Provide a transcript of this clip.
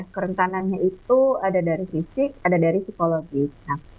kerentanannya itu ada dari fisik ada dari psikologis